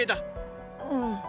うん。